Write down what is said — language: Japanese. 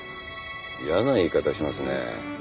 嫌な言い方しますね。